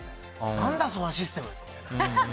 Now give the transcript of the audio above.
何だそのシステム！って。